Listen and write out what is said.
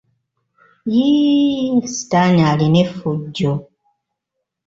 Yiiii...sitaani alina effujjo!